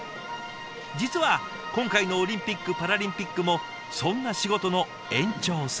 実は今回のオリンピック・パラリンピックもそんな仕事の延長線。